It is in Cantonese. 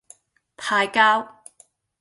派膠